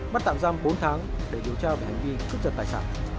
bắt tạm giam bốn tháng để điều tra về hành vi cướp giật tài sản